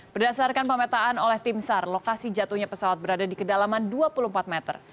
berdasarkan pemetaan oleh tim sar lokasi jatuhnya pesawat berada di kedalaman dua puluh empat meter